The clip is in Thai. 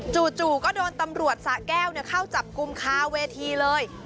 จู่ก็โดนตำรวจสะแก้วเข้าจับกลุ่มคาเวทีเลย